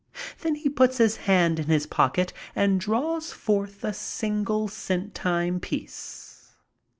Then he puts his hand in his pocket and draws forth a single centime piece.